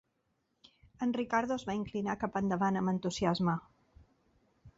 En Ricardo es va inclinar cap endavant amb entusiasme.